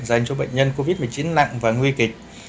dành cho bệnh nhân covid một mươi chín nặng và nguy kịch